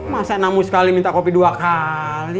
masa namu sekali minta kopi dua kali